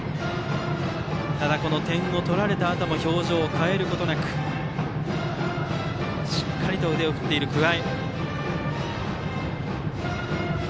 ただ点を取られたあとも表情変えることなくしっかりと腕を振っている桑江。